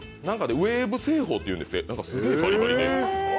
ウェーブ製法っていうんですけど、すげぇバリバリで。